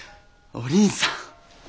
お倫さん